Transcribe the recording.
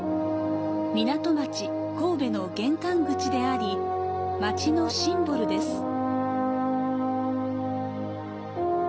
港町・神戸の玄関口であり、街のシンボルです。